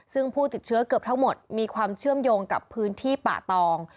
ซึ่งผู้ติดเชื้อเกือบทั้งหมดมีความเชื่อมโยงกับพื้นที่ป่าตอง